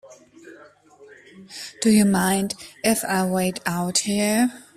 Do you mind if I wait out here?